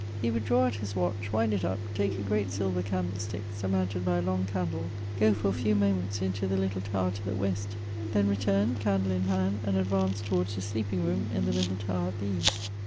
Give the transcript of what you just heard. He would draw out his watch^ wind it up, take a great silver candlestick, surmounted by a long candle, go for a few moments into the little tower to the west, then return, candle in hand, and advance towards his sleeping room in the little tower at the east.